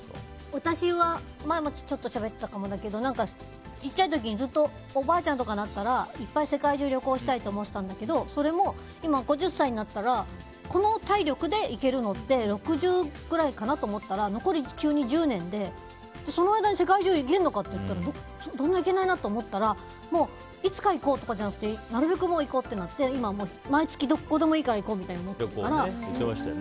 私も、前もちょっとしゃべったかもだけど小さい時にずっとおばあちゃんとかになったらいっぱい、世界中旅行したいと思ってたんだけどそれも今、５０歳になったらこの体力でいけるのって６０くらいかなと思ったら残り急に１０年でその間に世界中行けるのかといったらそんなに行けないなと思ったらもういつか行こうとかじゃなくてなるべく行こうってなって今は毎月どこでもいいから行こうって思ってるから。